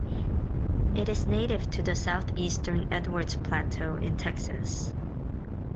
It is native to the southeastern Edwards Plateau in Texas.